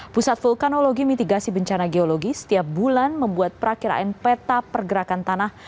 pusat vulkanologi mitigasi bencana geologi setiap bulan membuat perakiraan peta pergerakan tanah